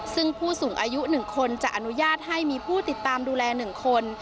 ซึ่งผู้สูงอายุ๑คนจะอนุญาตให้มีผู้ติดตามดูแล๑คน